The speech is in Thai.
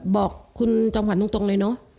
บอกคุณจอมขวัญตรงเลยเนอะ